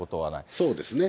そうですね。